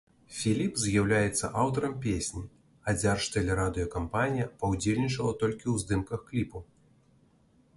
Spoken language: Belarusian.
Філіп з'яўляецца аўтарам песні, а дзяржтэлерадыёкампанія паўдзельнічала толькі ў здымках кліпу.